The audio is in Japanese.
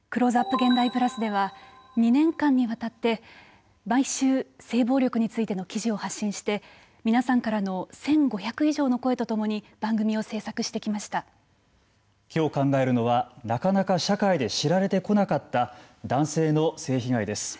現代＋では２年間にわたって毎週、性暴力についての記事を発信して皆さんからの１５００以上の声とともにきょう考えるのはなかなか社会で知られてこなかった男性の性被害です。